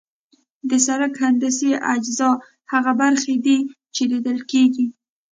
د سرک هندسي اجزا هغه برخې دي چې لیدل کیږي